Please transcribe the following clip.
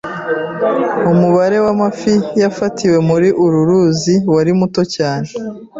Umubare w'amafi yafatiwe muri uru ruzi wari muto cyane.